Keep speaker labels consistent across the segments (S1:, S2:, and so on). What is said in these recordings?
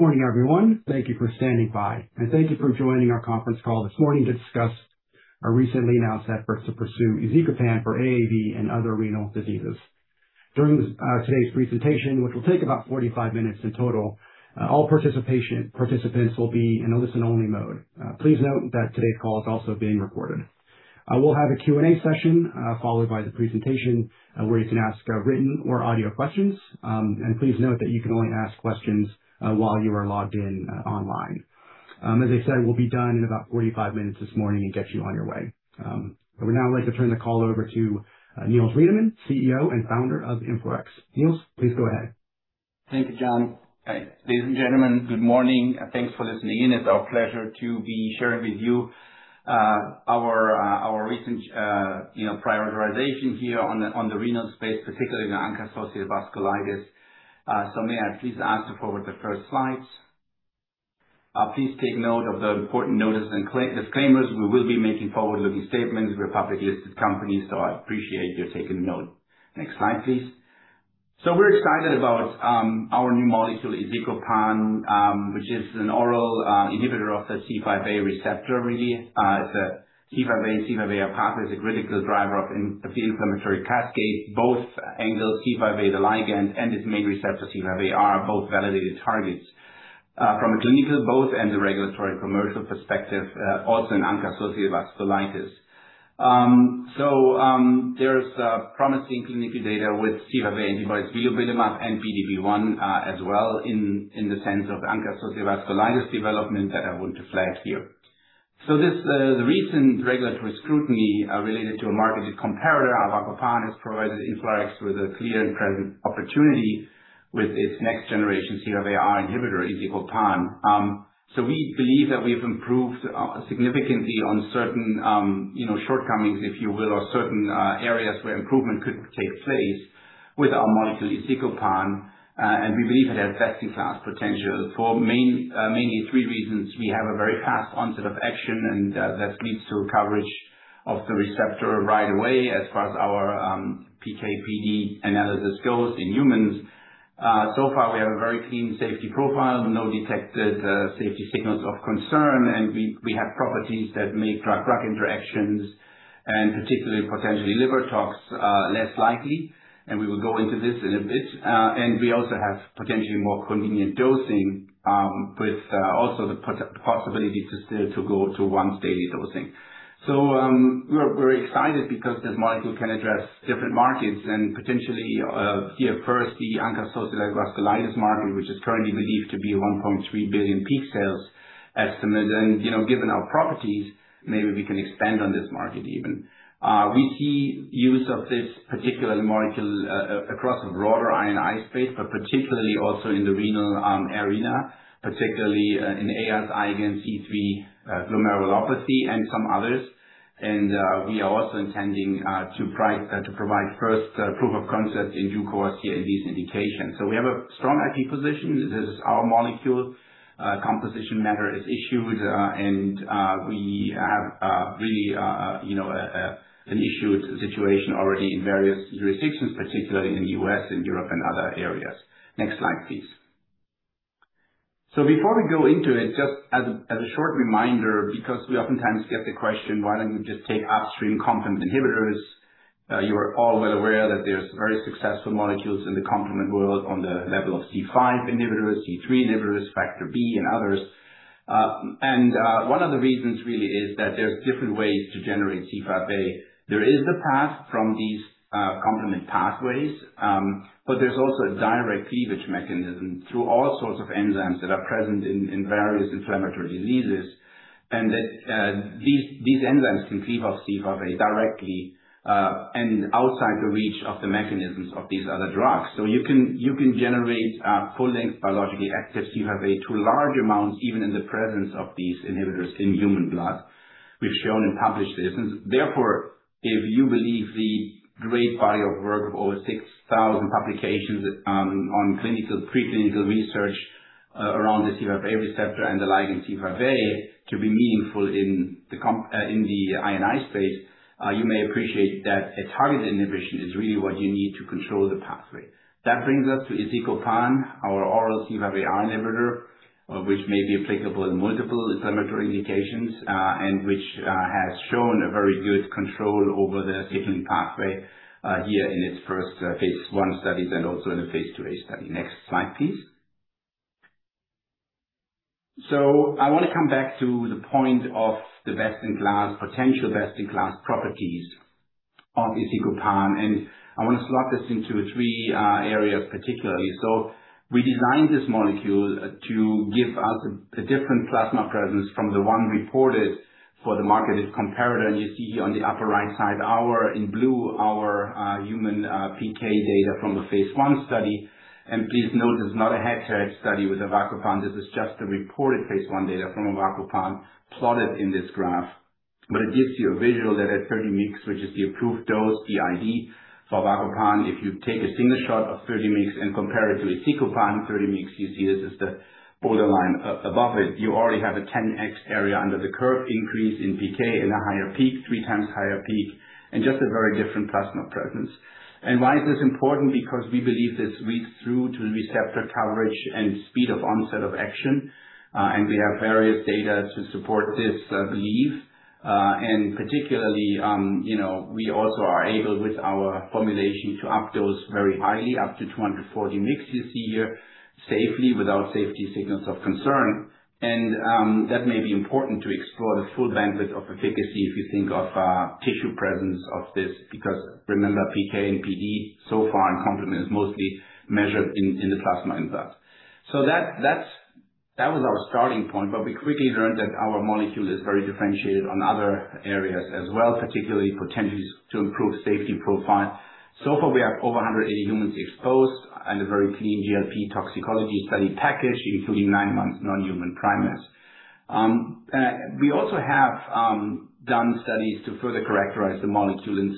S1: Morning, everyone. Thank you for standing by, thank you for joining our conference call this morning to discuss our recently announced efforts to pursue izicopan for AAV and other renal diseases. During this today's presentation, which will take about 45 minutes in total, all participants will be in a listen-only mode. Please note that today's call is also being recorded. We'll have a Q&A session, followed by the presentation, where you can ask written or audio questions. Please note that you can only ask questions while you are logged in online. As I said, we'll be done in about 45 minutes this morning and get you on your way. I would now like to turn the call over to Niels Riedemann, CEO and Founder of InflaRx. Niels, please go ahead.
S2: Thank you, John. Ladies and gentlemen, good morning. Thanks for listening in. It's our pleasure to be sharing with you our recent, you know, prioritization here on the renal space, particularly in the ANCA-associated vasculitis. May I please ask to forward the first slides? Please take note of the important notice and disclaimers. We will be making forward-looking statements. We're a publicly listed company, so I appreciate your taking note. Next slide, please. We're excited about our new molecule, izicopan, which is an oral inhibitor of the C5a receptor. It's a C5a and C5a pathway is a critical driver of inflammatory cascade. Both angles, C5a, the ligand, and its main receptor, C5aR, are both validated targets from a clinical both and the regulatory commercial perspective, also in ANCA-associated vasculitis. There's promising clinical data with C5a inhibitors, vilobelimab and PDB1, as well in the sense of ANCA-associated vasculitis development that I want to flag here. This the recent regulatory scrutiny related to a marketed comparator, avacopan, has provided InflaRx with a clear and present opportunity with its next generation C5aR inhibitor, izicopan. We believe that we've improved significantly on certain, you know, shortcomings, if you will, or certain areas where improvement could take place with our molecule, izicopan, and we believe it has best-in-class potential for mainly three reasons. We have a very fast onset of action and that leads to coverage of the receptor right away as far as our PK/PD analysis goes in humans. So far, we have a very clean safety profile with no detected safety signals of concern, and we have properties that make drug-drug interactions, and particularly potentially liver tox, less likely, and we will go into this in a bit. And we also have potentially more convenient dosing, with also the possibility to still to go to once-daily dosing. We're excited because this molecule can address different markets and potentially here first, the ANCA-associated vasculitis market, which is currently believed to be $1.3 billion peak sales estimate. You know, given our properties, maybe we can expand on this market even. We see use of this particular molecule across a broader I and I space, but particularly also in the renal arena, particularly in IgAN and C3 glomerulopathy and some others. We are also intending to provide first proof of concept in due course here in these indications. We have a strong IP position. This is our molecule. Composition of matter is issued, and we have really an issued situation already in various jurisdictions, particularly in the U.S. and Europe and other areas. Next slide, please. Before we go into it, just as a short reminder, because we oftentimes get the question, why don't we just take upstream complement inhibitors? You are all well aware that there's very successful molecules in the complement world on the level of C5 inhibitors, C3 inhibitors, factor B and others. One of the reasons really is that there's different ways to generate C5a. There is the path from these complement pathways, but there's also a direct cleavage mechanism through all sorts of enzymes that are present in various inflammatory diseases. These enzymes can cleave off C5a directly and outside the reach of the mechanisms of these other drugs. You can generate full length biologically active C5a to large amounts, even in the presence of these inhibitors in human blood. We've shown and published this. Therefore, if you believe the great body of work of over 6,000 publications, on clinical, pre-clinical research, around the C5a receptor and the ligand C5a to be meaningful in the I and I space, you may appreciate that a targeted inhibition is really what you need to control the pathway. That brings us to izicopan, our oral C5aR inhibitor, which may be applicable in multiple inflammatory indications, and which has shown a very good control over the sickling pathway, here in its first phase I studies and also in the phase II-A study. Next slide, please. I want to come back to the point of the best-in-class, potential best-in-class properties of izicopan, and I want to slot this into three areas particularly. We designed this molecule to give us a different plasma presence from the one reported for the marketed comparator. You see here on the upper right side, our, in blue, our human PK data from the phase I study. Please note, this is not a head-to-head study with avacopan. This is just the reported phase I data from avacopan plotted in this graph. It gives you a visual that at 30 mg, which is the approved dose, BID for avacopan, if you take a single shot of 30 mg and compare it to izicopan 30 mg, you see this is the borderline. Above it, you already have a 10x area under the curve increase in PK and a higher peak, 3x higher peak, and just a very different plasma presence. Why is this important? Because we believe this reads through to receptor coverage and speed of onset of action, and we have various data to support this belief. Particularly, you know, we also are able, with our formulation, to up those very highly, up to 240 mg a year safely, without safety signals of concern. That may be important to explore the full benefit of efficacy if you think of tissue presence of this, because remember, PK and PD so far in complement is mostly measured in the plasma impact. That was our starting point, but we quickly learned that our molecule is very differentiated on other areas as well, particularly potential to improve safety profile. We have over 180 humans exposed and a very clean GLP toxicology study package, including 9 months non-human primates. We also have done studies to further characterize the molecule and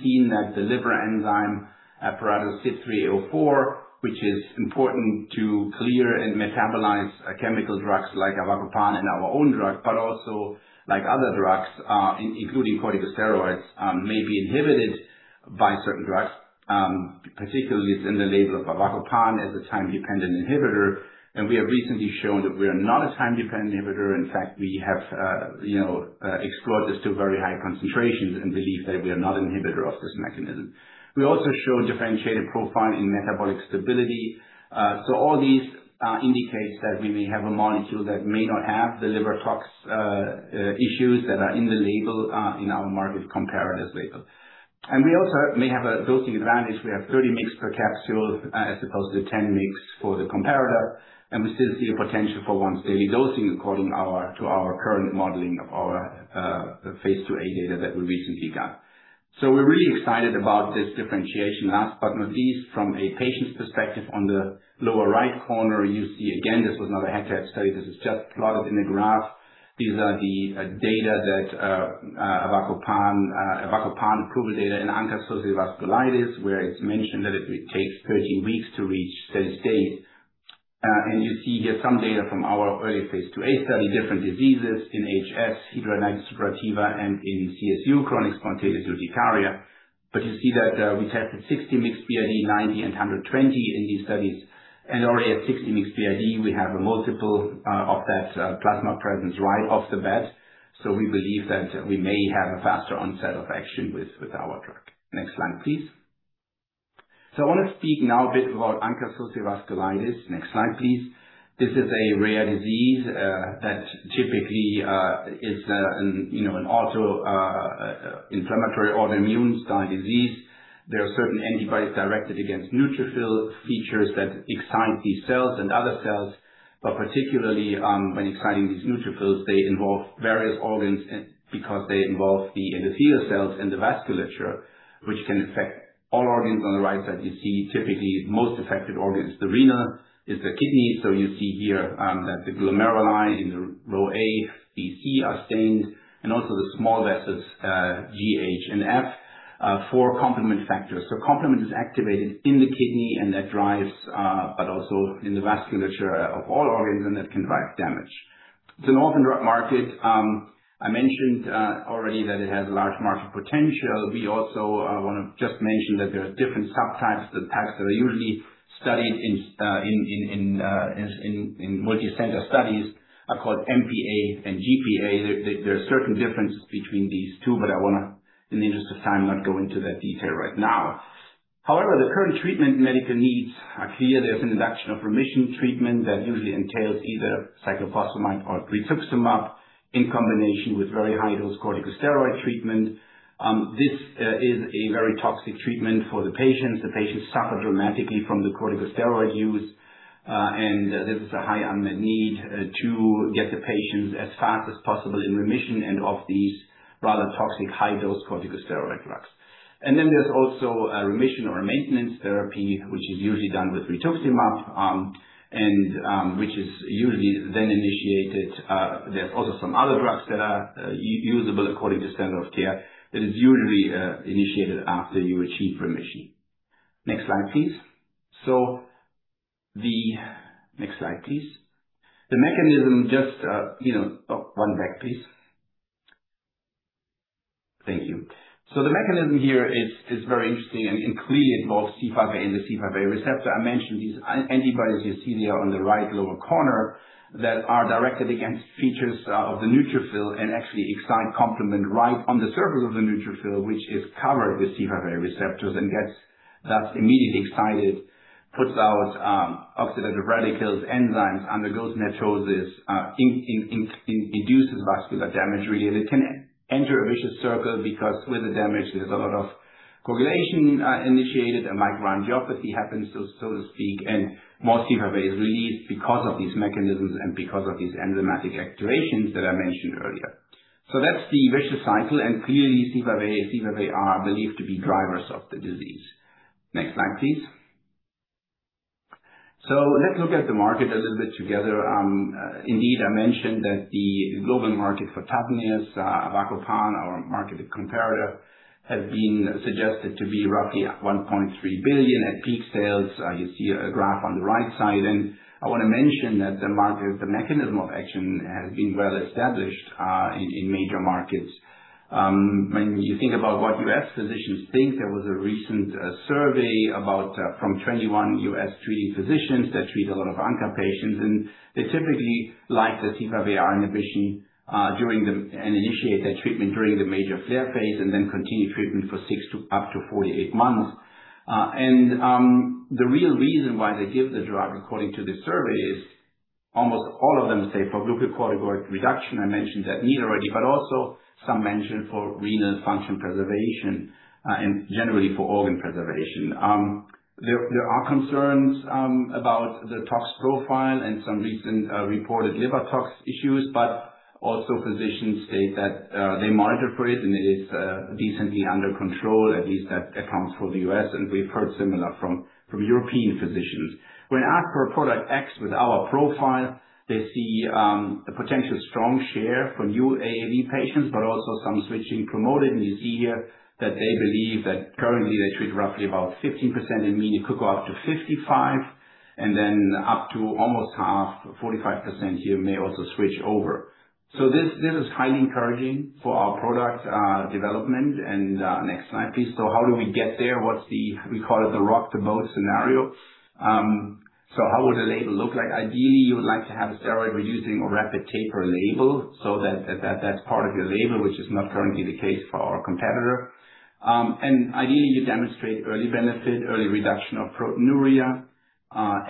S2: seen that the liver enzyme apparatus, CYP3A4, which is important to clear and metabolize chemical drugs like avacopan and our own drug, but also like other drugs, including corticosteroids, may be inhibited by certain drugs. Particularly it's in the label of avacopan as a time-dependent inhibitor. We have recently shown that we are not a time-dependent inhibitor. We have, you know, explored this to very high concentrations and believe that we are not inhibitor of this mechanism. We also show differentiated profile in metabolic stability. All these indicates that we may have a molecule that may not have the liver tox issues that are in the label, in our market comparator's label. We also may have a dosing advantage. We have 30 mg/capsule, as opposed to 10 mg for the comparator, and we still see a potential for once-daily dosing according to our current modeling of our phase II-A data that we recently got. We're really excited about this differentiation. Last but not least, from a patient's perspective, on the lower right corner, you see again, this was not a head-to-head study. This is just plotted in a graph. These are the data that avacopan, avacopan approval data in ANCA-associated vasculitis, where it's mentioned that it takes 13 weeks to reach steady state. You see here some data from our early phase II-A study, different diseases in HS, hidradenitis suppurativa, and in CSU, chronic spontaneous urticaria. You see that we tested 60 mg BID, 90 mg and 120 mg in these studies. Already at 60 mg BID, we have a multiple of that plasma presence right off the bat. We believe that we may have a faster onset of action with our drug. Next slide, please. I wanna speak now a bit about ANCA-associated vasculitis. Next slide, please. This is a rare disease that typically is a, you know, an auto inflammatory, autoimmune style disease. There are certain antibodies directed against neutrophil features that excite these cells and other cells, but particularly, when exciting these neutrophils, they involve various organs and because they involve the endothelial cells in the vasculature, which can affect all organs. On the right side, you see typically most affected organ is the renal. It's the kidney. You see here that the glomeruli in the row A, B, C are stained, and also the small vessels, G, H, and F, for complement factors. Complement is activated in the kidney and that drives, but also in the vasculature of all organs, and that can drive damage. It's an orphan drug market. I mentioned already that it has large market potential. We also want to just mention that there are different subtypes. The types that are usually studied in multicenter studies are called MPA and GPA. There are certain difference between these two, but I wanna, in the interest of time, not go into that detail right now. The current treatment medical needs are clear. There's induction or remission treatment that usually entails either cyclophosphamide or rituximab in combination with very high-dose corticosteroid treatment. This is a very toxic treatment for the patients. The patients suffer dramatically from the corticosteroid use, and this is a high unmet need to get the patients as fast as possible in remission and off these rather toxic high-dose corticosteroid drugs. Then there's also a remission or a maintenance therapy, which is usually done with rituximab, and which is usually then initiated. There's also some other drugs that are usable according to standard of care that is usually initiated after you achieve remission. Next slide, please. Next slide, please. The mechanism just, you know. Oh, one back, please. Thank you. The mechanism here is very interesting and clearly involves C5a and the C5a receptor. I mentioned these antibodies you see there on the right lower corner that are directed against features of the neutrophil and actually excite complement right on the surface of the neutrophil, which is covered with C5a receptors and gets, thus immediately excited, puts out oxidative radicals, enzymes, undergoes NETosis, induces vascular damage really. It can enter a vicious circle because with the damage, there's a lot of coagulation initiated and microangiopathy happens, so to speak, and more C5a is released because of these mechanisms and because of these enzymatic activations that I mentioned earlier. That's the vicious cycle, and clearly C5a and C5aR believed to be drivers of the disease. Next slide, please. Let's look at the market a little bit together. Indeed, I mentioned that the global market for TAVNEOS, avacopan, our marketed comparator, have been suggested to be roughly $1.3 billion at peak sales. You see a graph on the right side. I wanna mention that the market, the mechanism of action has been well established in major markets. When you think about what U.S. physicians think, there was a recent survey about from 21 U.S. treating physicians that treat a lot of ANCA patients. They typically like the C5aR inhibition and initiate that treatment during the major flare phase and then continue treatment for six to up to 48 months. The real reason why they give the drug, according to the survey, is almost all of them say for glucocorticoid reduction. I mentioned that need already, but also some mention for renal function preservation and generally for organ preservation. There are concerns about the tox profile and some recent reported liver tox issues, but physicians also state that they monitor for it and it is decently under control. At least that accounts for the U.S. We've heard similar from European physicians. When asked for a product X with our profile, they see a potential strong share for new AAV patients, but also some switching promoted. You see here that they believe that currently they treat roughly about 15%. I mean, it could go up to 55%, and then up to almost half, 45% here may also switch over. This is highly encouraging for our product development. Next slide, please. How do we get there? What's the? We call it the rock to boat scenario. How would a label look like? Ideally, you would like to have a steroid-reducing or rapid taper label that's part of your label, which is not currently the case for our competitor. Ideally, you demonstrate early benefit, early reduction of proteinuria,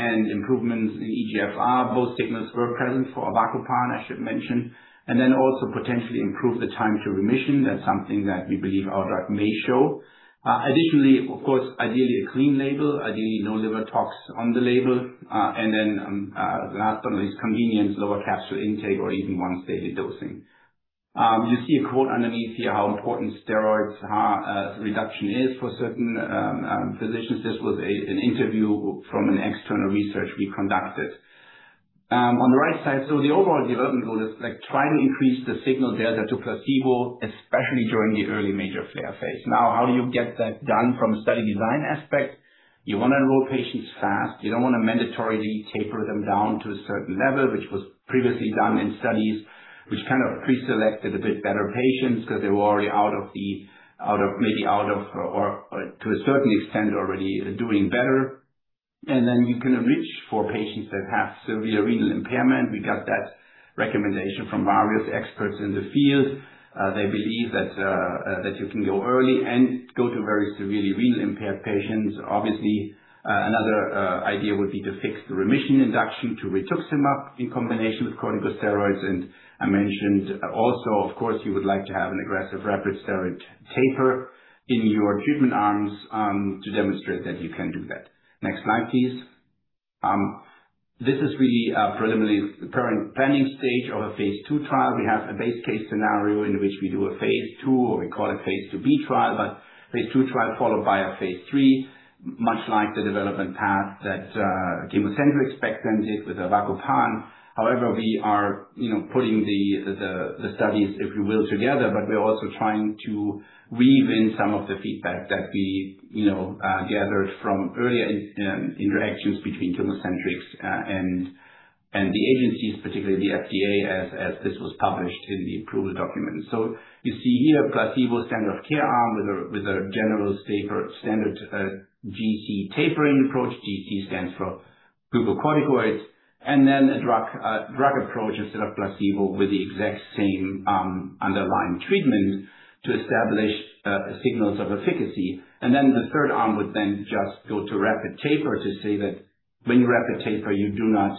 S2: and improvements in eGFR. Both signals were present for avacopan, I should mention. Also potentially improve the time to remission. That's something that we believe our drug may show. Additionally, of course, ideally a clean label, ideally no liver tox on the label. Last one is convenience, lower capsule intake or even once-daily dosing. You see a quote underneath here, how important steroids reduction is for certain physicians. This was an interview from an external research we conducted. On the right side, the overall development goal is, like, try to increase the signal delta to placebo, especially during the early major flare phase. How do you get that done from a study design aspect? You wanna enroll patients fast. You don't wanna mandatorily taper them down to a certain level, which was previously done in studies, which kind of pre-selected a bit better patients because they were already out of or to a certain extent, already doing better. You can enrich for patients that have severe renal impairment. We got that recommendation from various experts in the field. They believe that you can go early and go to very severely renal-impaired patients. Another idea would be to fix the remission induction to rituximab in combination with corticosteroids. I mentioned also, of course, you would like to have an aggressive rapid steroid taper in your treatment arms to demonstrate that you can do that. Next slide, please. This is really a preliminary current planning stage of a phase II trial. We have a base case scenario in which we do a phase II, or we call it phase II-B trial, but phase II trial followed by a phase III, much like the development path that ChemoCentryx presented with avacopan. We are, you know, putting the studies, if you will, together, but we're also trying to weave in some of the feedback that we, you know, gathered from earlier interactions between ChemoCentryx and the agencies, particularly the FDA, as this was published in the approval document. You see here a placebo standard of care arm with a general safer standard GC tapering approach. GC stands for glucocorticoids. A drug approach instead of placebo with the exact same underlying treatment to establish signals of efficacy. The third arm would then just go to rapid taper to say that when you rapid taper, you do not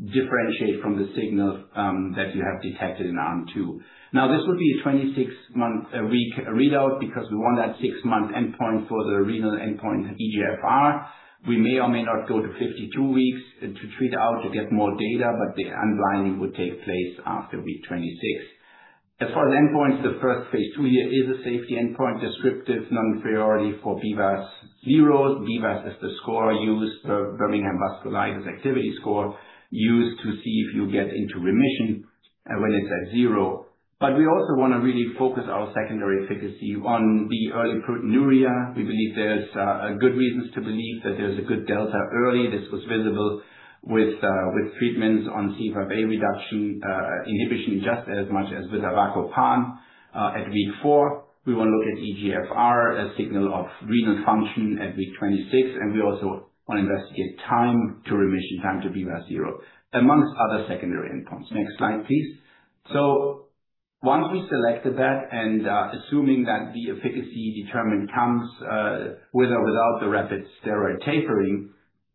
S2: differentiate from the signals that you have detected in Arm 2. This would be a 26-week readout because we want that six-month endpoint for the renal endpoint eGFR. We may or may not go to 52 weeks to treat out to get more data, but the unblinding would take place after week 26. As far as endpoints, the first phase II here is a safety endpoint. Descriptive non-inferiority for BVAS zero. BVAS is the score used for Birmingham Vasculitis Activity Score used to see if you get into remission, when it's at zero. We also wanna really focus our secondary efficacy on the early proteinuria. We believe there's a good reasons to believe that there's a good delta early. This was visible with treatments on C5a reduction, inhibition just as much as with avacopan. At week four, we wanna look at eGFR, a signal of renal function at week 26, and we also wanna investigate time to remission, time to BVAS zero, amongst other secondary endpoints. Next slide, please. Once we selected that, and assuming that the efficacy determined comes with or without the rapid steroid tapering,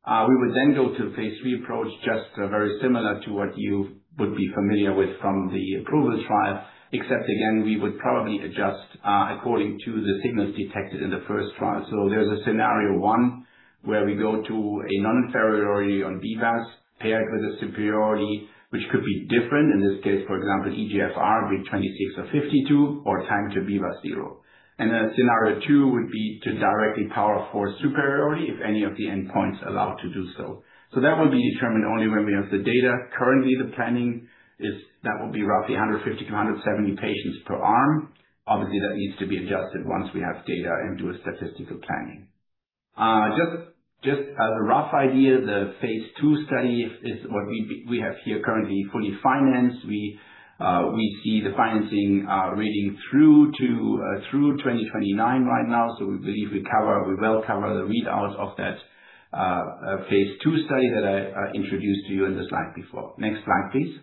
S2: we would then go to phase III approach, just very similar to what you would be familiar with from the approval trial, except again, we would probably adjust according to the signals detected in the first trial. There's a scenario one where we go to a non-inferiority on BVAS paired with a superiority, which could be different in this case, for example, eGFR week 26 of 52 or time to BVAS zero. Scenario two would be to directly power for superiority if any of the endpoints allow to do so. That will be determined only when we have the data. Currently, the planning is that will be roughly 150 to 170 patients per arm. Obviously, that needs to be adjusted once we have data and do a statistical planning. Just as a rough idea, the phase II study is what we have here currently fully financed. We see the financing reading through to through 2029 right now. We believe we will cover the readouts of that phase II study that I introduced to you in the slide before. Next slide, please.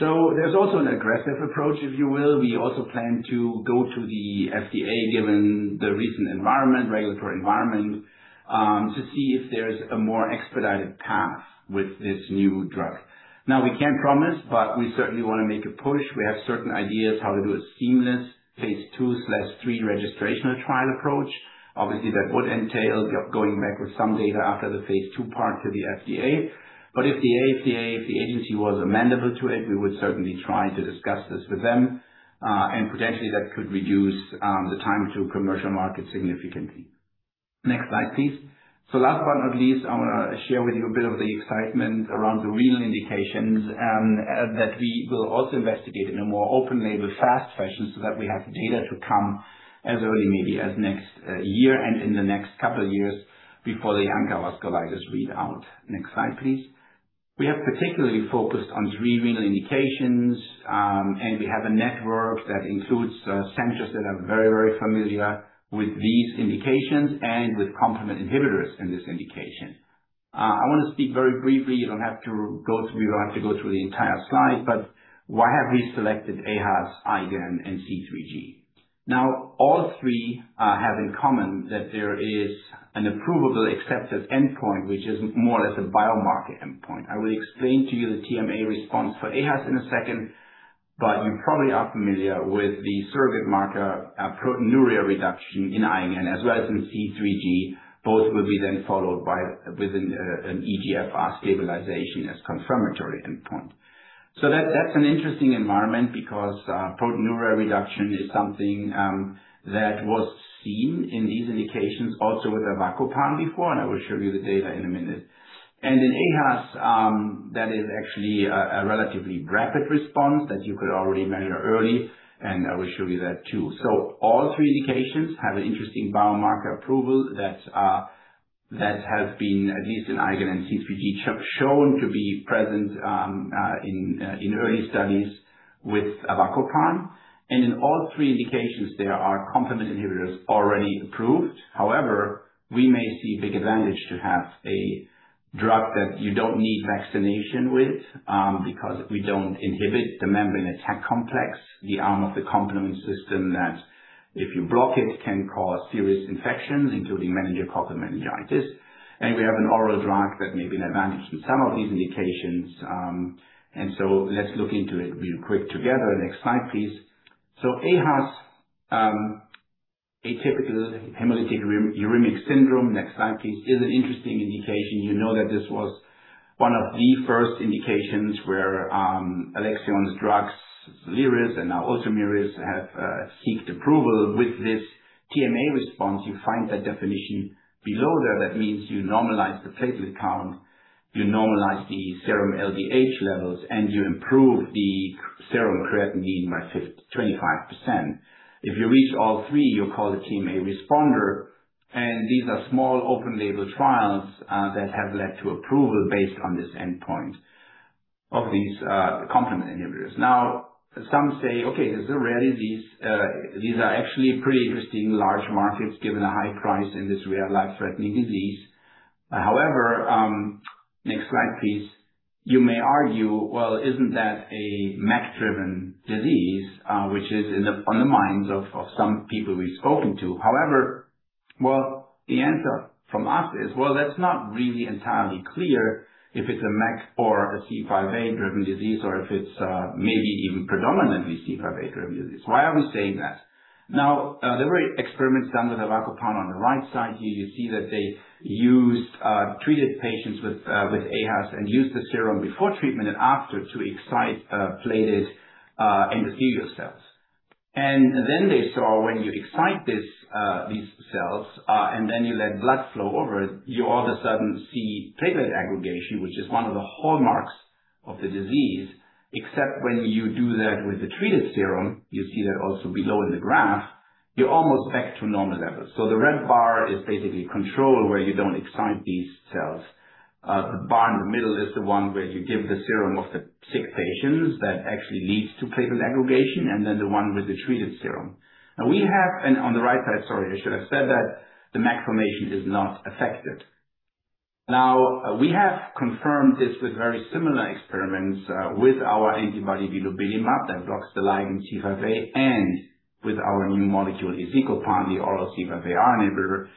S2: There's also an aggressive approach, if you will. We also plan to go to the FDA, given the recent environment, regulatory environment, to see if there's a more expedited path with this new drug. Now, we can't promise, but we certainly want to make a push. We have certain ideas how to do a seamless phase II/III registrational trial approach. Obviously, that would entail going back with some data after the phase II part to the FDA. If the FDA, if the agency was amendable to it, we would certainly try to discuss this with them, and potentially that could reduce the time to commercial market significantly. Next slide, please. Last but not least, I want to share with you a bit of the excitement around the renal indications that we will also investigate in a more open label, fast fashion, so that we have data to come as early maybe as next year and in the next couple of years before the ANCA vasculitis read out. Next slide, please. We have particularly focused on three renal indications, and we have a network that includes centers that are very, very familiar with these indications and with complement inhibitors in this indication. I want to speak very briefly. You don't have to go through the entire slide, but why have we selected aHUS, IgAN, and C3G? All three have in common that there is an approvable accepted endpoint, which is more or less a biomarker endpoint. I will explain to you the TMA response for aHUS in a second, but you probably are familiar with the surrogate marker, proteinuria reduction in IgAN as well as in C3G. Both will be followed by, within, an eGFR stabilization as confirmatory endpoint. That's an interesting environment because proteinuria reduction is something that was seen in these indications also with avacopan before, and I will show you the data in a minute. In aHUS, that is actually a relatively rapid response that you could already measure early, and I will show you that too. All three indications have an interesting biomarker approval that has been, at least in IgAN and C3G, shown to be present in early studies with avacopan. In all three indications, there are complement inhibitors already approved. We may see big advantage to have a drug that you don't need vaccination with, because we don't inhibit the membrane attack complex, the arm of the complement system that if you block it, can cause serious infections, including meningococcal meningitis. We have an oral drug that may be an advantage in some of these indications. Let's look into it real quick together. Next slide, please. aHUS, atypical hemolytic uremic syndrome, next slide, please, is an interesting indication. You know that this was one of the first indications where Alexion's drugs, SOLIRIS and now ULTOMIRIS, have seeked approval with this TMA response. You find that definition below there. That means you normalize the platelet count, you normalize the serum LDH levels, and you improve the serum creatinine by 25%. If you reach all three, you're called a TMA responder. These are small open label trials that have led to approval based on this endpoint of these complement inhibitors. Some say, okay, this is a rare disease. These are actually pretty interesting large markets, given the high price in this rare life-threatening disease. However, next slide, please. You may argue, well, isn't that a MAC-driven disease? Which is on the minds of some people we've spoken to. However, well, the answer from us is, well, that's not really entirely clear if it's a MAC or a C5a-driven disease, or if it's maybe even predominantly C5a-driven disease. Why are we saying that? Now, there were experiments done with avacopan on the right side here. You see that they used treated patients with aHUS and used the serum before treatment and after to excite plated endothelial cells. They saw when you excite these cells, and then you let blood flow over it, you all of a sudden see platelet aggregation, which is one of the hallmarks of the disease. Except when you do that with the treated serum, you see that also below in the graph, you're almost back to normal levels. The red bar is basically control, where you don't excite these cells. The bar in the middle is the one where you give the serum of the sick patients that actually leads to platelet aggregation, and then the one with the treated serum. On the right side, sorry, I should have said that the MAC formation is not affected. We have confirmed this with very similar experiments with our antibody vilobelimab that blocks the ligand C5a and with our new molecule, izicopan, the oral C5aR inhibitor.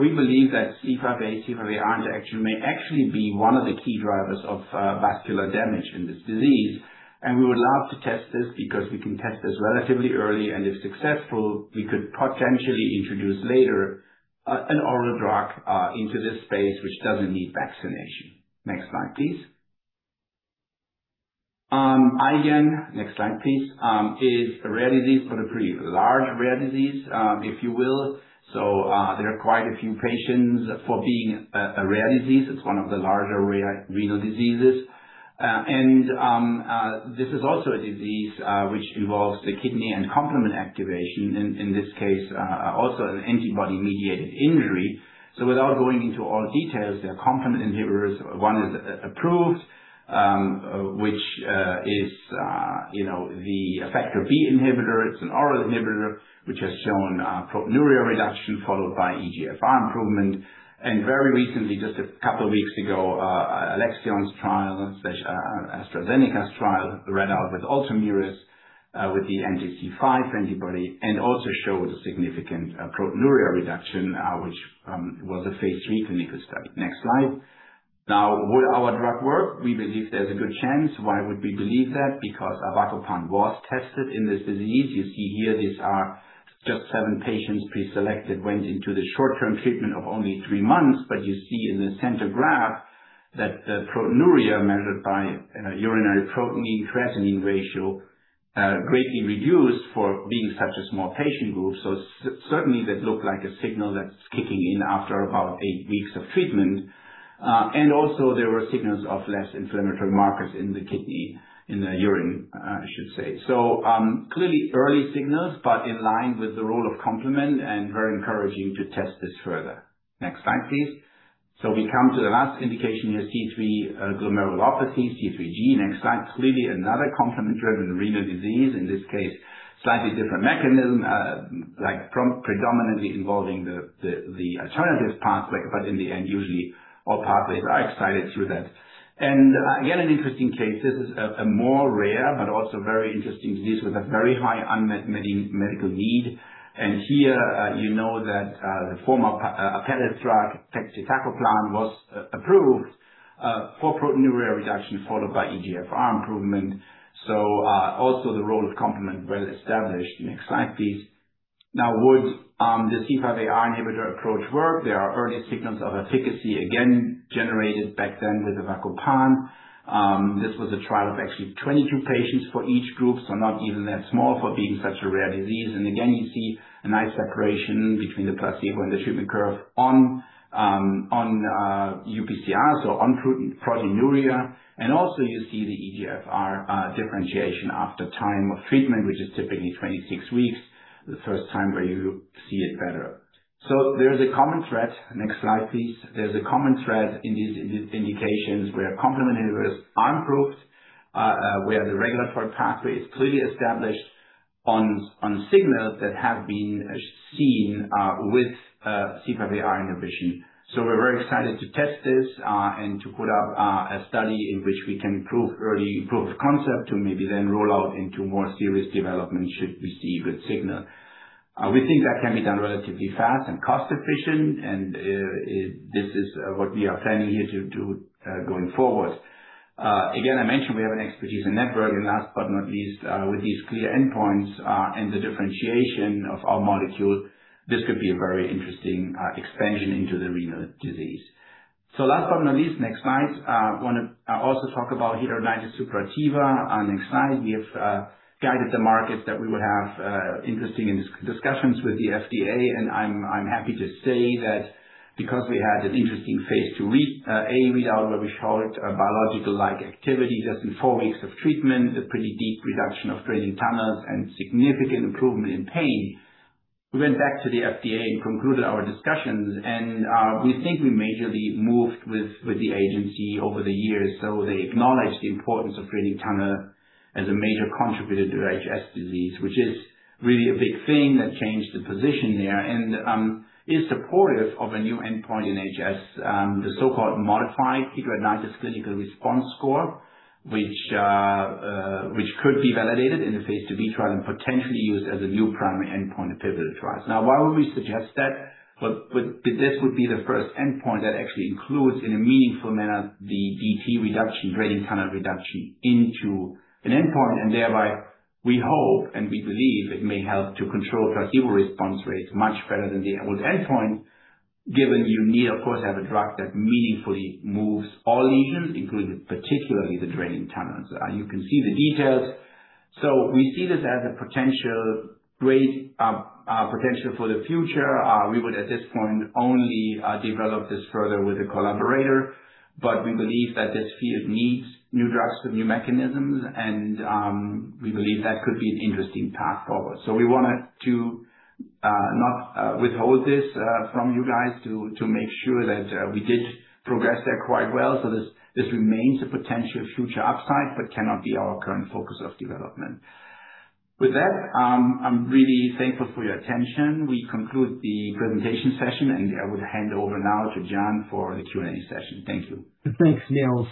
S2: We believe that C5a interaction may actually be one of the key drivers of vascular damage in this disease. We would love to test this because we can test this relatively early, and if successful, we could potentially introduce later, an oral drug into this space which doesn't need vaccination. Next slide, please. IgAN, next slide, please, is a rare disease but a pretty large rare disease, if you will. There are quite a few patients for being a rare disease. It's one of the larger renal diseases. This is also a disease which involves the kidney and complement activation. In this case, also an antibody-mediated injury. Without going into all details, there are complement inhibitors. One is approved, which is, you know, the factor B inhibitor. It's an oral inhibitor which has shown proteinuria reduction followed by eGFR improvement. Very recently, just a couple weeks ago, Alexion's trial slash AstraZeneca's trial read out with ULTOMIRIS, with the anti-C5 antibody, and also showed a significant proteinuria reduction, which was a phase III clinical study. Next slide. Will our drug work? We believe there's a good chance. Why would we believe that? Avacopan was tested in this disease. You see here, these are just seven patients pre-selected, went into the short-term treatment of only three months. You see in the center graph that the proteinuria measured by urinary protein, creatinine ratio, greatly reduced for being such a small patient group. Certainly that looked like a signal that's kicking in after about 8 weeks of treatment. Also there were signals of less inflammatory markers in the kidney, in the urine, I should say. Clearly early signals, but in line with the role of complement and very encouraging to test this further. Next slide, please. We come to the last indication here, C3 glomerulopathy, C3G. Next slide. Clearly another complement-driven renal disease, in this case, slightly different mechanism, predominantly involving the alternative pathway, but in the end, usually all pathways are excited through that. Again, an interesting case. This is a more rare but also very interesting disease with a very high unmet medical need. Here, you know that the former Apellis drug, pegcetacoplan, was approved for proteinuria reduction, followed by eGFR improvement. Also the role of complement well established. Next slide, please. Would the C5aR inhibitor approach work? There are early signals of efficacy, again, generated back then with avacopan. This was a trial of actually 22 patients for each group, so not even that small for being such a rare disease. Again, you see a nice separation between the placebo and the treatment curve on UPCR, so on pro-proteinuria. Also you see the eGFR differentiation after time of treatment, which is typically 26 weeks, the first time where you see it better. There is a common thread. Next slide, please. There's a common thread in these, in these indications where complement inhibitors are improved, where the regular pathway is clearly established on signals that have been seen with C5aR inhibition. We are very excited to test this and to put up a study in which we can prove early proof of concept to maybe then roll out into more serious development should we see good signal. We think that can be done relatively fast and cost-efficient, and this is what we are planning here to do going forward. Again, I mentioned we have an expertise in network. Last but not least, with these clear endpoints and the differentiation of our molecule, this could be a very interesting expansion into the renal disease. Last but not least, next slide. Wanna also talk about here hidradenitis suppurativa. Next slide. We have guided the market that we would have interesting discussions with the FDA, and I'm happy to say that because we had an interesting phase II-A readout where we showed a biological-like activity just in four weeks of treatment, a pretty deep reduction of draining tunnels and significant improvement in pain. We went back to the FDA and concluded our discussions, and we think we majorly moved with the agency over the years. They acknowledge the importance of draining tunnel as a major contributor to HS disease, which is really a big thing that changed the position there and is supportive of a new endpoint in HS, the so-called modified Hidradenitis Clinical Response Score, which could be validated in the phase II-B trial and potentially used as a new primary endpoint in pivotal trials. Now, why would we suggest that? This would be the first endpoint that actually includes, in a meaningful manner, the DT reduction, draining tunnel reduction into an endpoint. Thereby, we hope and we believe it may help to control placebo response rates much better than the old endpoint, given you need, of course, have a drug that meaningfully moves all lesions, including particularly the draining tunnels. You can see the details. We see this as a potential, great potential for the future. We would at this point only develop this further with a collaborator. We believe that this field needs new drugs with new mechanisms, and we believe that could be an interesting path forward. We wanted to not withhold this from you guys to make sure that we did progress there quite well. This remains a potential future upside, but cannot be our current focus of development. With that, I'm really thankful for your attention. We conclude the presentation session, and I would hand over now to John for the Q&A session. Thank you.
S1: Thanks, Niels.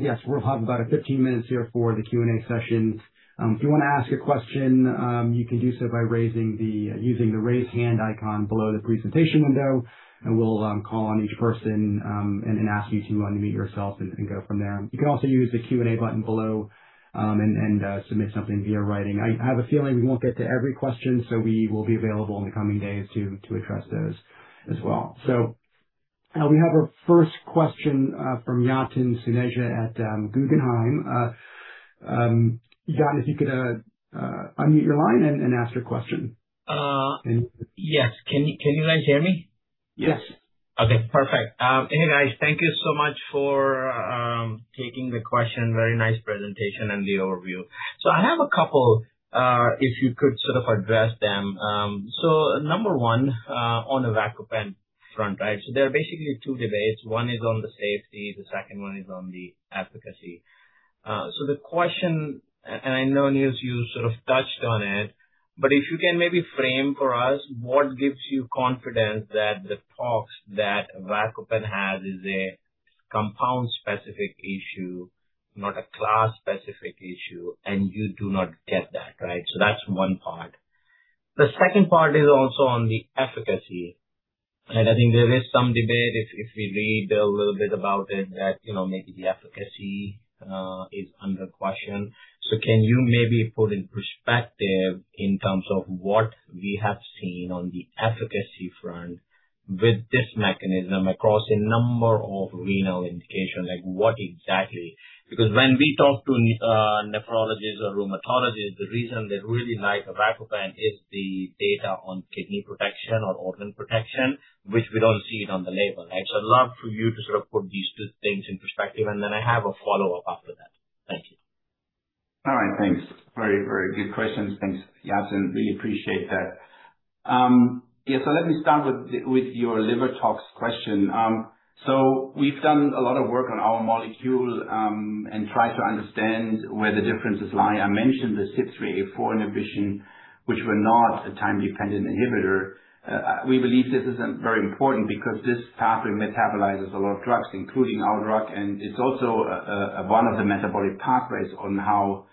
S1: Yes, we'll have about 15 minutes here for the Q&A session. If you wanna ask a question, you can do so by raising the using the raise hand icon below the presentation window, and we'll call on each person and ask you to unmute yourself and go from there. You can also use the Q&A button below and submit something via writing. I have a feeling we won't get to every question, so we will be available in the coming days to address those as well. We have our first question from Yatin Suneja at Guggenheim. Yatin, if you could unmute your line and ask your question.
S3: Yes. Can you guys hear me?
S1: Yes.
S3: Okay, perfect. Hey, guys, thank you so much for taking the question. Very nice presentation and the overview. I have a couple, if you could sort of address them. Number one, on avacopan front, right? There are basically two debates. One is on the safety, the second one is on the efficacy. The question, and I know, Niels, you sort of touched on it, but if you can maybe frame for us what gives you confidence that the talks that avacopan has is a compound-specific issue, not a class-specific issue, and you do not get that, right? That's one part. The second part is also on the efficacy. I think there is some debate if we read a little bit about it, that, you know, maybe the efficacy is under question. Can you maybe put in perspective in terms of what we have seen on the efficacy front with this mechanism across a number of renal indications? Like what exactly? Because when we talk to nephrologists or rheumatologists, the reason they really like avacopan is the data on kidney protection or organ protection, which we don't see it on the label. I'd love for you to sort of put these two things in perspective, and then I have a follow-up after that. Thank you.
S2: Thanks. Very, very good questions. Thanks, Yatin. Really appreciate that. Let me start with your liver tox question. We've done a lot of work on our molecule and tried to understand where the differences lie. I mentioned the CYP3A4 inhibition, which were not a time-dependent inhibitor. We believe this isn't very important because this pathway metabolizes a lot of drugs, including our drug, and it's also one of the metabolic pathways on how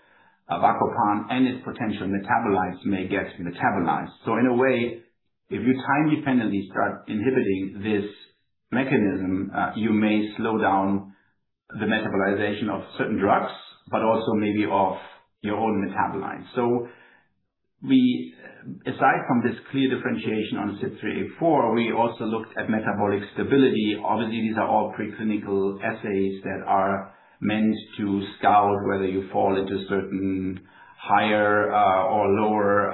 S2: avacopan and its potential metabolites may get metabolized. In a way, if you time dependently start inhibiting this mechanism, you may slow down the metabolization of certain drugs, but also maybe of your own metabolites. Aside from this clear differentiation on CYP3A4, we also looked at metabolic stability. Obviously, these are all preclinical assays that are meant to scout whether you fall into a certain higher or lower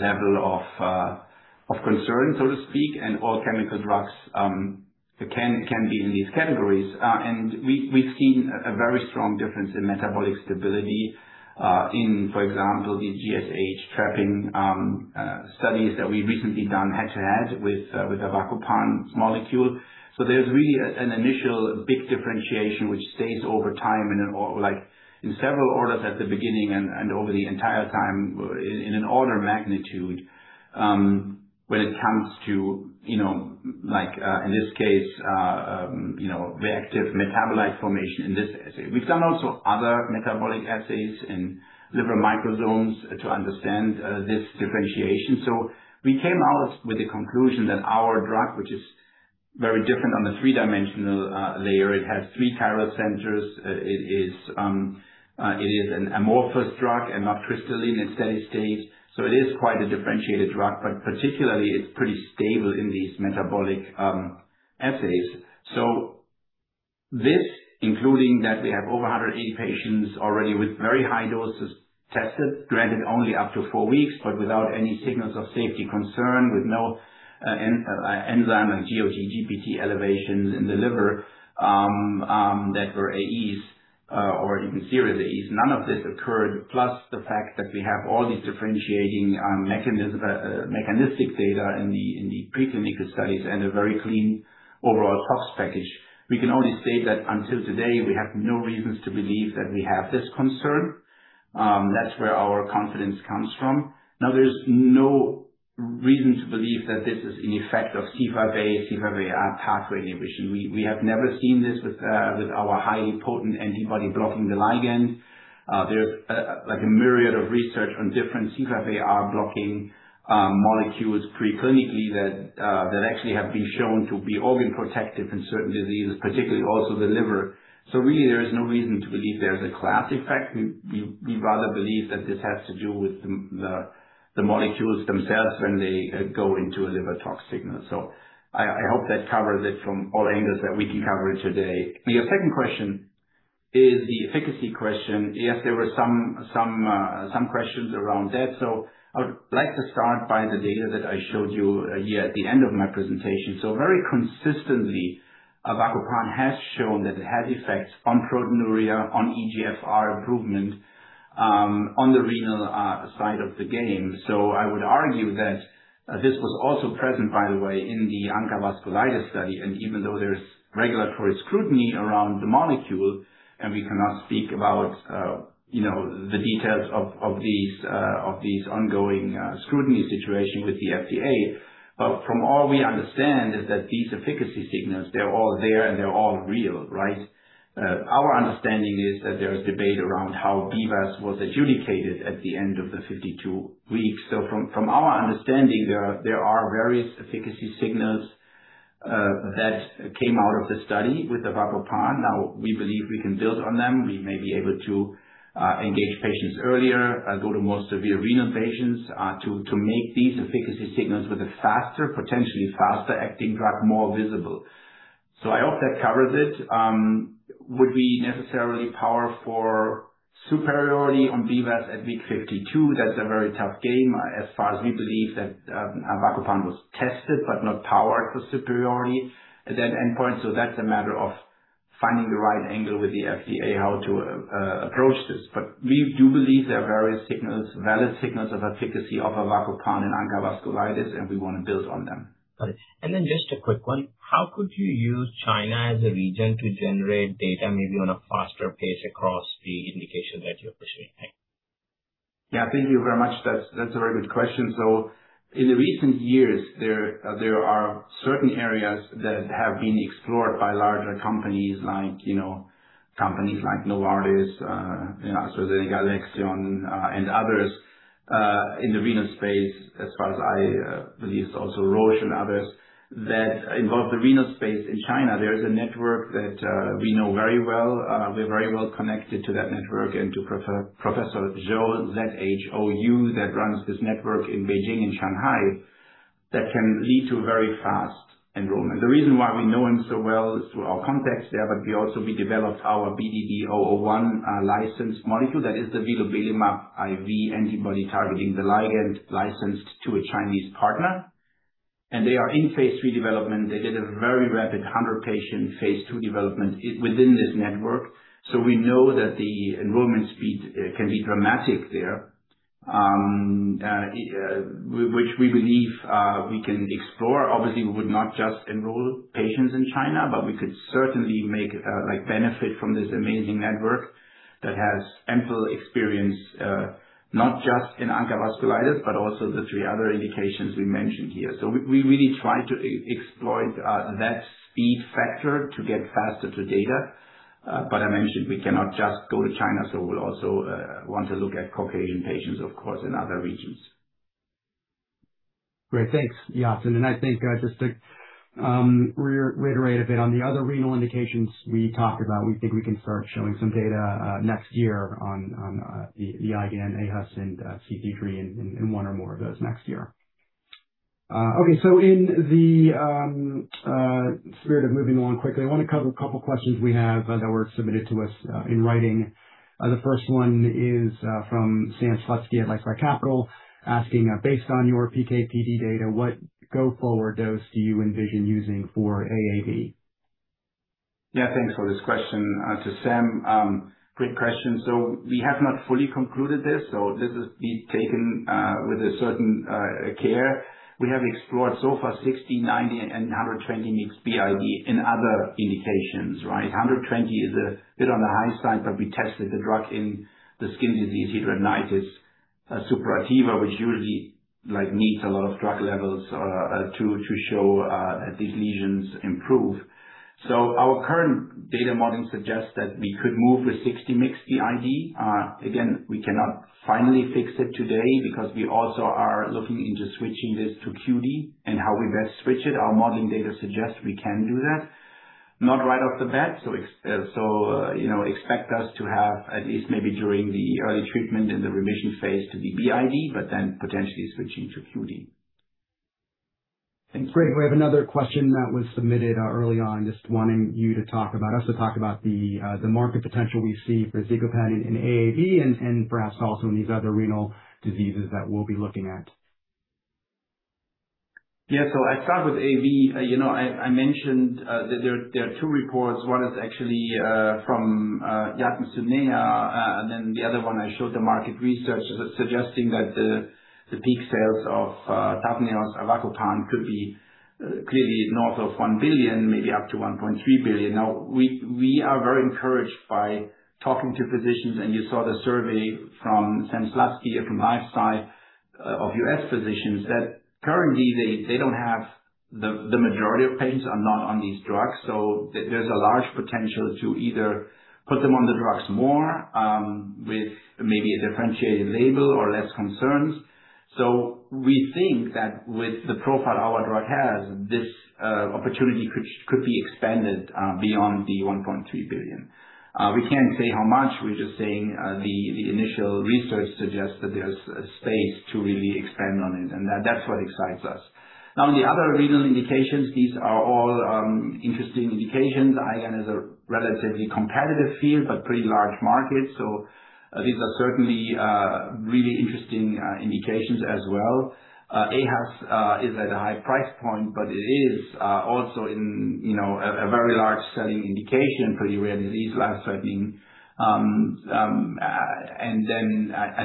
S2: level of concern, so to speak. All chemical drugs can be in these categories. We've seen a very strong difference in metabolic stability, in, for example, the GSH trapping studies that we've recently done head-to-head with avacopan's molecule. There's really an initial big differentiation which stays over time and in all, like in several orders at the beginning and over the entire time in an order of magnitude, when it comes to, you know, like, in this case, you know, the active metabolite formation in this assay. We've done also other metabolic assays in liver microsomes to understand this differentiation. We came out with the conclusion that our drug, which is very different on the three-dimensional layer, it has three chiral centers. It is an amorphous drug and not crystalline in steady state. It is quite a differentiated drug, but particularly it's pretty stable in these metabolic assays. This, including that we have over 180 patients already with very high doses tested, granted only up to four weeks, but without any signals of safety concern, with no enzyme and GOT/GPT elevations in the liver that were AEs or even serious AEs. None of this occurred. Plus the fact that we have all these differentiating mechanism, mechanistic data in the preclinical studies and a very clean overall tox package. We can only say that until today, we have no reasons to believe that we have this concern. That's where our confidence comes from. There's no reason to believe that this is an effect of C5a, C5aR pathway inhibition. We have never seen this with our highly potent antibody blocking the ligand. There's like a myriad of research on different C5aR blocking molecules preclinically that actually have been shown to be organ protective in certain diseases, particularly also the liver. Really, there is no reason to believe there is a class effect. We'd rather believe that this has to do with the molecules themselves when they go into a liver tox signal. I hope that covers it from all angles that we can cover it today. Your second question is the efficacy question. Yes, there were some questions around that. I would like to start by the data that I showed you here at the end of my presentation. Very consistently, avacopan has shown that it has effects on proteinuria, on eGFR improvement, on the renal side of the game. I would argue that this was also present, by the way, in the ANCA-associated vasculitis study. Even though there's regulatory scrutiny around the molecule, and we cannot speak about, you know, the details of these ongoing scrutiny situation with the FDA. From all we understand is that these efficacy signals, they're all there and they're all real, right? Our understanding is that there is debate around how BVAS was adjudicated at the end of the 52 weeks. From our understanding, there are various efficacy signals that came out of the study with avacopan. Now, we believe we can build on them. We may be able to engage patients earlier, go to more severe renal patients, to make these efficacy signals with a faster, potentially faster acting drug more visible. I hope that covers it. Would we necessarily power for superiority on BVAS at week 52? That's a very tough game as far as we believe that avacopan was tested but not powered for superiority at that endpoint. That's a matter of finding the right angle with the FDA how to approach this. We do believe there are various signals, valid signals of efficacy of avacopan in ANCA vasculitis, and we wanna build on them.
S3: Got it. Just a quick one. How could you use China as a region to generate data maybe on a faster pace across the indications that you appreciate? Thanks.
S2: Yeah, thank you very much. That's a very good question. In the recent years, there are certain areas that have been explored by larger companies like, you know, companies like Novartis, you know, they got Alexion, and others, in the renal space, as far as I believe it's also Roche and others that involve the renal space in China. There is a network that we know very well. We're very well connected to that network and to Professor Zhou, Z-H-O-U, that runs this network in Beijing and Shanghai that can lead to very fast enrollment. The reason why we know him so well is through our contacts there, but we also, we developed our BDB-001 licensed molecule that is the vilobelimab IV antibody targeting the ligand licensed to a Chinese partner. They are in phase III development. They did a very rapid 100-patient phase II development within this network. We know that the enrollment speed can be dramatic there, which we believe we can explore. Obviously, we would not just enroll patients in China, but we could certainly benefit from this amazing network that has ample experience, not just in ANCA-associated vasculitis, but also the three other indications we mentioned here. We really try to explore that speed factor to get faster to data. I mentioned we cannot just go to China, we'll also want to look at Caucasian patients, of course, in other regions.
S1: Great. Thanks, Yatin. I think, just to reiterate a bit on the other renal indications we talked about, we think we can start showing some data next year on the IgAN, aHUS, and C3G in one or more of those next year. In the spirit of moving along quickly, I wanna cover a couple questions we have that were submitted to us in writing. The first one is from Sam Slutsky at LifeSci Capital asking, based on your PK/PD data, what go-forward dose do you envision using for AAV?
S2: Yeah, thanks for this question to Sam. Great question. We have not fully concluded this, so this is being taken with a certain care. We have explored so far 60 mg, 90 mg, and 120 mg BID in other indications, right? 120 mg is a bit on the high side, but we tested the drug in the skin disease, hidradenitis suppurativa, which usually like, needs a lot of drug levels to show these lesions improve. Our current data modeling suggests that we could move with 60 mg BID. Again, we cannot finally fix it today because we also are looking into switching this to QD and how we best switch it. Our modeling data suggests we can do that. Not right off the bat. You know, expect us to have at least maybe during the early treatment and the remission phase to be BID, but then potentially switching to QD.
S1: Thanks. Great. We have another question that was submitted early on, just wanting us to talk about the market potential we see for izicopan in AAV and perhaps also in these other renal diseases that we'll be looking at.
S2: Yeah. I start with AAV. You know, I mentioned that there are two reports. One is actually from Yatin Suneja. The other one I showed the market research suggesting that the peak sales of TAVNEOS, avacopan, could be clearly north of $1 billion, maybe up to $1.3 billion. Now, we are very encouraged by talking to physicians, and you saw the survey from Sam Slutsky from LifeSci of U.S. physicians that currently they don't have the majority of patients are not on these drugs. There's a large potential to either put them on the drugs more with maybe a differentiated label or less concerns. We think that with the profile our drug has, this opportunity could be expanded beyond the $1.3 billion. We can't say how much. We're just saying, the initial research suggests that there's space to really expand on it, and that's what excites us. On the other renal indications, these are all interesting indications. IgAN is a relatively competitive field, but pretty large market. These are certainly really interesting indications as well. aHUS is at a high price point, but it is also in, you know, a very large selling indication for a rare disease, life-threatening. I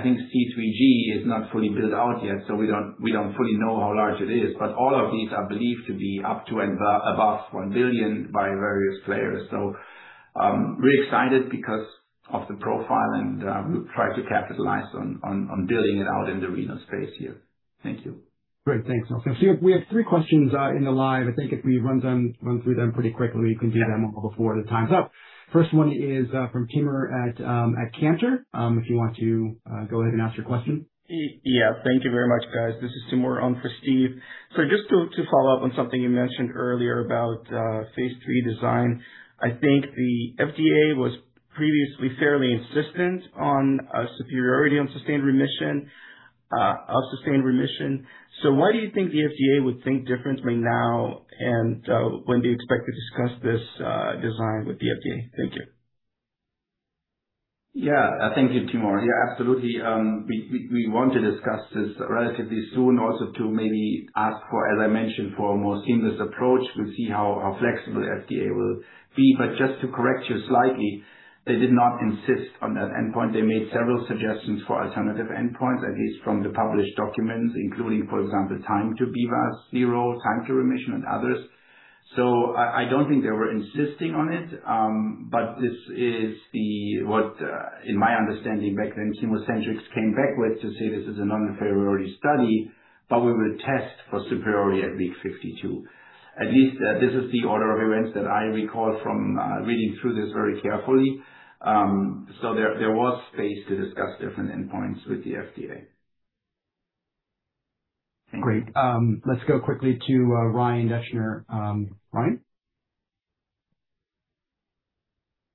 S2: think C3G is not fully built out yet, so we don't fully know how large it is. All of these are believed to be up to and above $1 billion by various players. Really excited because of the profile, we'll try to capitalize on building it out in the renal space here. Thank you.
S1: Great. Thanks. We have three questions in the live. I think if we run through them pretty quickly, we can do them all before the time's up. First one is from Timur at Cantor. If you want to go ahead and ask your question.
S4: Yeah. Thank you very much, guys. This is Timur on for Steve. Just to follow up on something you mentioned earlier about phase III design. I think the FDA was previously fairly insistent on superiority on sustained remission. Of sustained remission. Why do you think the FDA would think differently now and, when do you expect to discuss this design with the FDA? Thank you.
S2: Thank you, Timur. Absolutely. We want to discuss this relatively soon also to maybe ask for, as I mentioned, for a more seamless approach. We'll see how flexible FDA will be. Just to correct you slightly, they did not insist on that endpoint. They made several suggestions for alternative endpoints, at least from the published documents, including, for example, time to BVAS zero, time to remission, and others. I don't think they were insisting on it. This is what, in my understanding back then, ChemoCentryx came back with to say, "This is a non-inferiority study, but we will test for superiority at week 62." At least, this is the order of events that I recall from reading through this very carefully. There was space to discuss different endpoints with the FDA.
S1: Great. Let's go quickly to Ryan Deschner. Ryan.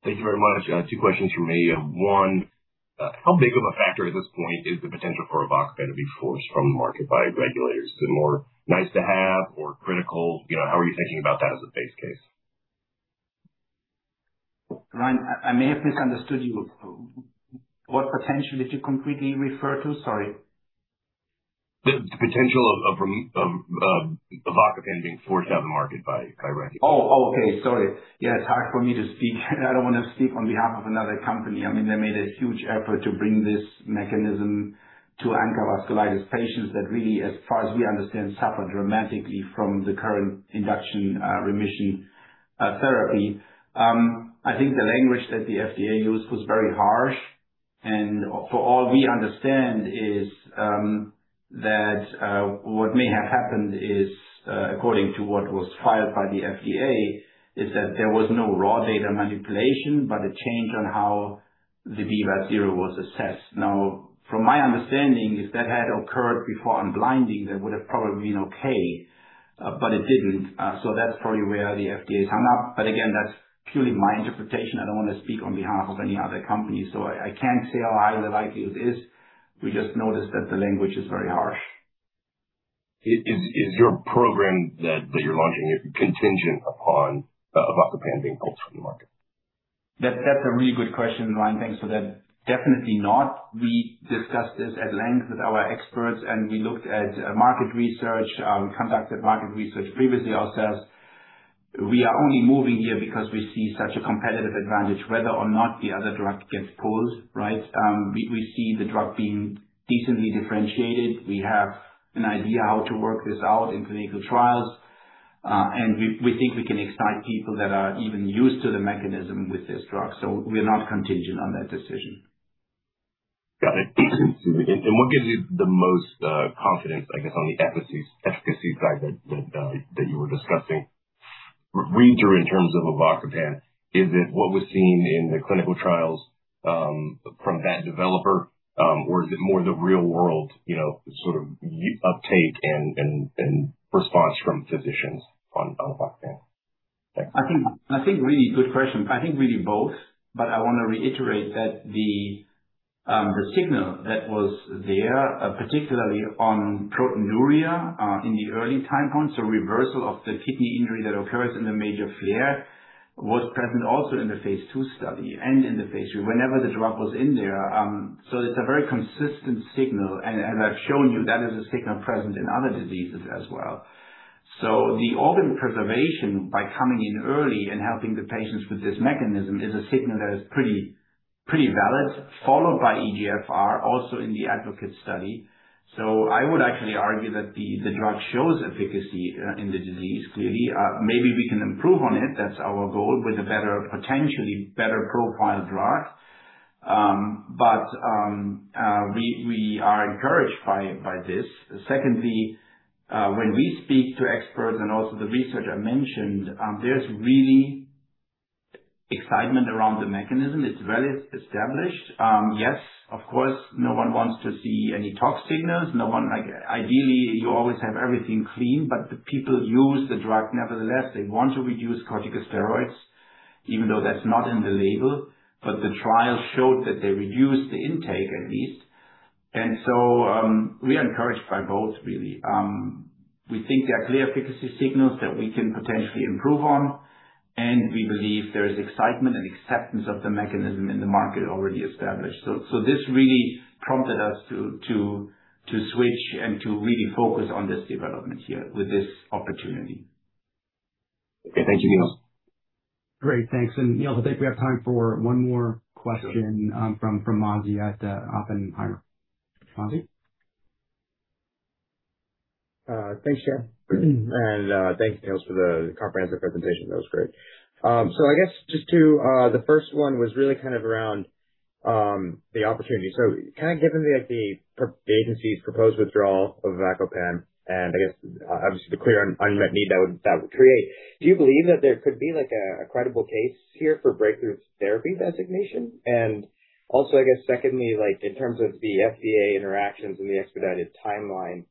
S5: Thank you very much. Two questions from me. One, how big of a factor at this point is the potential for avacopan to be forced from market by regulators? Is it more nice to have or critical? You know, how are you thinking about that as a base case?
S2: Ryan, I may have misunderstood you. What potential did you completely refer to? Sorry.
S5: The potential of avacopan being forced out of the market by regulators.
S2: Okay. Sorry. Yeah, it's hard for me to speak. I don't want to speak on behalf of another company. They made a huge effort to bring this mechanism to ANCA-associated vasculitis patients that really, as far as we understand, suffer dramatically from the current induction remission therapy. I think the language that the FDA used was very harsh, for all we understand is that, according to what was filed by the FDA, there was no raw data manipulation, but a change on how the BVAS zero was assessed. From my understanding, if that had occurred before unblinding, that would have probably been okay, but it didn't. That's probably where the FDA is hung up. Again, that's purely my interpretation. I don't wanna speak on behalf of any other company. I can't say how high the likelihood is. We just noticed that the language is very harsh.
S5: Is your program that you're launching contingent upon avacopan being pulled from the market?
S2: That's a really good question, Ryan. Thanks for that. Definitely not. We discussed this at length with our experts, we looked at market research, conducted market research previously ourselves. We are only moving here because we see such a competitive advantage, whether or not the other drug gets pulled, right? We see the drug being decently differentiated. We have an idea how to work this out in clinical trials, and we think we can excite people that are even used to the mechanism with this drug. We're not contingent on that decision.
S5: Got it. What gives you the most confidence, I guess, on the efficacy side that you were discussing? Read through in terms of avacopan, is it what was seen in the clinical trials from that developer, or is it more the real world, you know, sort of uptake and response from physicians on avacopan? Thanks.
S2: I think really good question. I think really both, but I wanna reiterate that the signal that was there, particularly on proteinuria, in the early time points, so reversal of the kidney injury that occurs in the major flare, was present also in the phase II study and in the phase III. Whenever the drug was in there, it's a very consistent signal. I've shown you that is a signal present in other diseases as well. The organ preservation by coming in early and helping the patients with this mechanism is a signal that is pretty valid, followed by eGFR, also in the ADVOCATE study. I would actually argue that the drug shows efficacy in the disease clearly. Maybe we can improve on it. That's our goal with a better, potentially better profile drug. We are encouraged by this. Secondly, when we speak to experts and also the researcher I mentioned, there's really excitement around the mechanism. It's well established. Yes, of course, no one wants to see any tox signals. Like, ideally, you always have everything clean, but the people use the drug nevertheless. They want to reduce corticosteroids, even though that's not in the label. The trial showed that they reduced the intake at least. We are encouraged by both really. We think there are clear efficacy signals that we can potentially improve on, and we believe there is excitement and acceptance of the mechanism in the market already established. This really prompted us to switch and to really focus on this development here with this opportunity.
S5: Okay. Thank you, Niels.
S1: Great. Thanks. Niels, I think we have time for one more question from Mazi at Oppenheimer. Mazi?
S6: Thanks, John. Thanks, Niels, for the comprehensive presentation. That was great. I guess just to, the first one was really kind of around the opportunity. Kind of given the, like, the agency's proposed withdrawal of avacopan, and I guess obviously the clear unmet need that would create, do you believe that there could be, like, a credible case here for breakthrough therapy designation? Also, I guess secondly, like, in terms of the FDA interactions and the expedited timeline,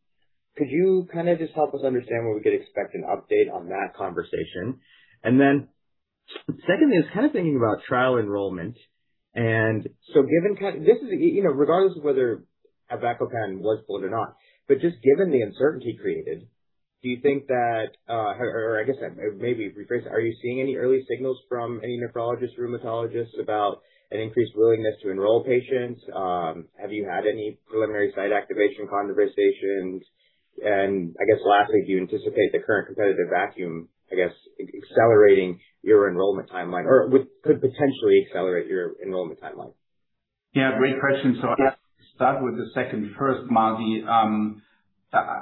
S6: could you kind of just help us understand when we could expect an update on that conversation? Second is kind of thinking about trial enrollment. Given this is, you know, regardless of whether avacopan works for it or not, but just given the uncertainty created, do you think that, or I guess maybe rephrase, are you seeing any early signals from any nephrologists, rheumatologists about an increased willingness to enroll patients? Have you had any preliminary site activation conversations? I guess lastly, do you anticipate the current competitive vacuum, I guess, accelerating your enrollment timeline or could potentially accelerate your enrollment timeline?
S2: Yeah, great question. I'll start with the second first, Mazi.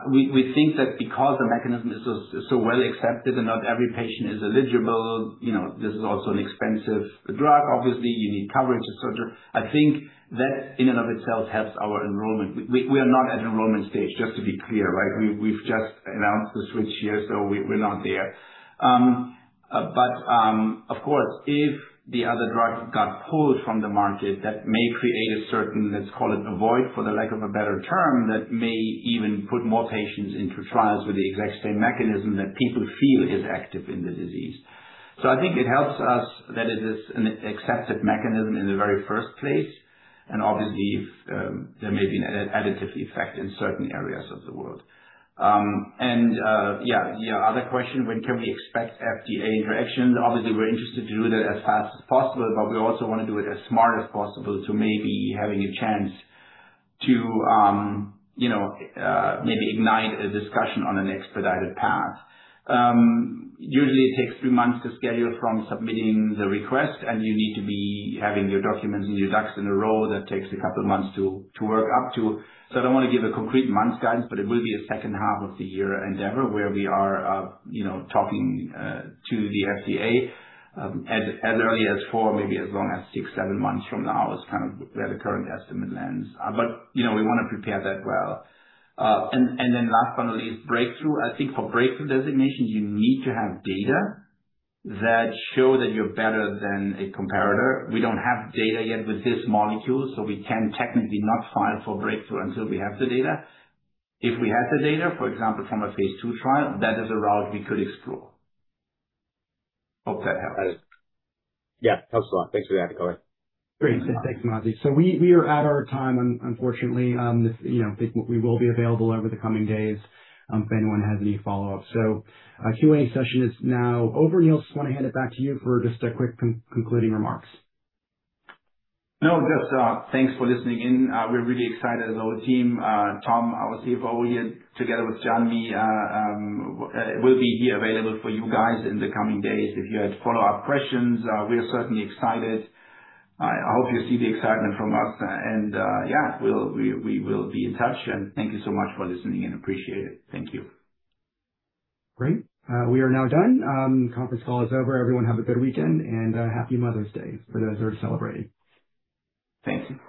S2: We think that because the mechanism is so well accepted and not every patient is eligible, you know, this is also an expensive drug, obviously you need coverage, et cetera. I think that in and of itself helps our enrollment. We are not at enrollment stage, just to be clear, right? We've just announced the switch here, we're not there. Of course, if the other drug got pulled from the market, that may create a certain, let's call it a void for the lack of a better term, that may even put more patients into trials with the exact same mechanism that people feel is active in the disease. I think it helps us that it is an accepted mechanism in the very first place and obviously, there may be an additively effect in certain areas of the world. Your other question, when can we expect FDA interaction? Obviously, we're interested to do that as fast as possible, but we also want to do it as smart as possible to maybe having a chance to, you know, maybe ignite a discussion on an expedited path. Usually it takes three months to schedule from submitting the request, and you need to be having your documents and your ducks in a row. That takes a couple of months to work up to. I don't want to give a concrete month guidance, but it will be a second half of the year endeavor where we are, you know, talking to the FDA, as early as four, maybe as long as six, seven months from now is kind of where the current estimate lands. You know, we want to prepare that well. Last but not least, breakthrough. I think for breakthrough designation, you need to have data that show that you're better than a comparator. We don't have data yet with this molecule, so we can technically not file for breakthrough until we have the data. If we have the data, for example, from a phase II trial, that is a route we could explore. Hope that helps.
S6: Yeah, helps a lot. Thanks for the update, going.
S1: Great. Thanks, Mazi. We are at our time unfortunately, this, you know, think we will be available over the coming days, if anyone has any follow-up. Our Q&A session is now over. Niels, just want to hand it back to you for just a quick concluding remarks.
S2: No, just, thanks for listening in. We're really excited as our team. Tom, our CFO, here together with John, me, will be here available for you guys in the coming days. If you have follow-up questions, we are certainly excited. I hope you see the excitement from us. Yeah, we will be in touch. Thank you so much for listening and appreciate it. Thank you.
S1: Great. We are now done. Conference call is over. Everyone have a good weekend and Happy Mother's Day for those who are celebrating.
S2: Thanks.